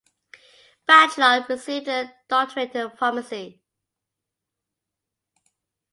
Bachelot received a Doctorate in Pharmacy.